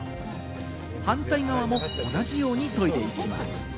反対側も同じように研いで行きます。